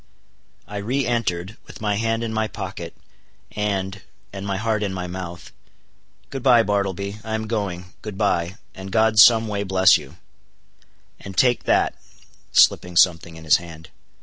I re entered, with my hand in my pocket—and—and my heart in my mouth. "Good bye, Bartleby; I am going—good bye, and God some way bless you; and take that," slipping something in his hand.